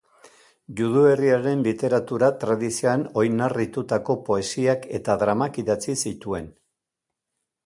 Judu herriaren literatura-tradizioan oinarritutako poesiak eta dramak idatzi zituen.